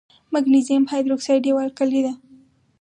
مګنیزیم هایدروکساید یوه القلي ده.